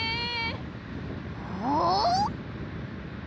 ［お！？］